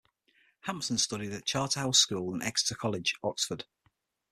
Hampson studied at Charterhouse School and Exeter College, Oxford.